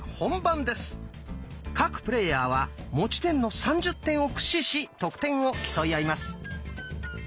各プレーヤーは持ち点の３０点を駆使し得点を競い合います。